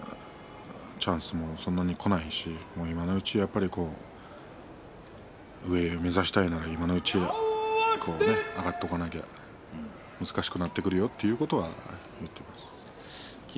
チャンスもそんなにこないし、今のうちに上を目指したいなら今のうちに上がっておかなければ難しくなってくるよということは言っています。